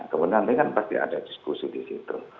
kemudian nanti kan pasti ada diskusi disitu